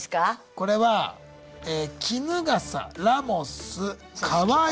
これは衣笠ラモス川相。